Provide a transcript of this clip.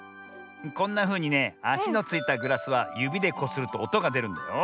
こんなふうにねあしのついたグラスはゆびでこするとおとがでるんだよ。